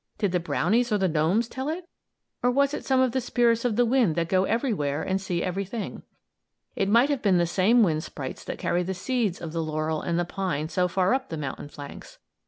Did the brownies or the gnomes tell it; or was it some of the spirits of the wind that go everywhere and see everything? It might have been the same wind sprites that carry the seeds of the laurel and the pine so far up the mountain flanks.